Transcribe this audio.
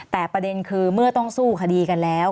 แต่ประเด็นคือเมื่อต้องสู้คดีกันแล้ว